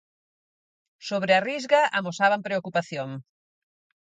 Sobre a Risga amosaban preocupación.